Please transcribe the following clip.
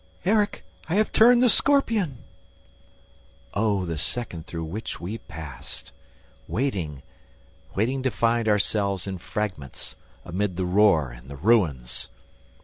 "Erik! I have turned the scorpion!" Oh, the second through which we passed! Waiting! Waiting to find ourselves in fragments, amid the roar and the ruins!